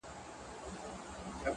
څلوريځه؛